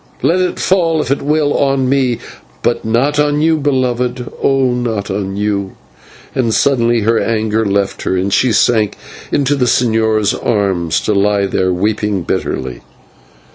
Let it fall, if it will, on me, but not on you, beloved oh! not on you " and suddenly her anger left her, and she sank into the señor's arms and lay there weeping bitterly.